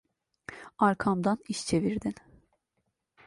Arkamdan iş çevirdin.